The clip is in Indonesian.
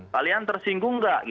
kalian tersinggung nggak